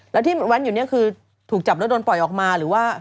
แล้วที่แว้นอยู่เนี่ยคือถูกจับแล้วโดนปล่อยออกมาหรือว่า